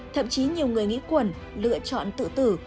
thậm chí nhiều người nghĩ quần lựa chọn tự tử